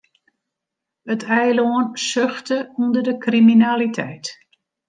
It eilân suchte ûnder de kriminaliteit.